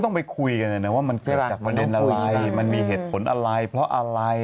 ต้องไปคุยกันนะว่ามันเกิดจากประเด็นอะไรมันมีเหตุผลอะไรเพราะอะไร